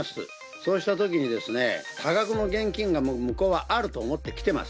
そうしたときに、多額の現金が向こうはあると思って来てます。